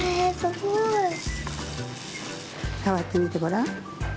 さわってみてごらん。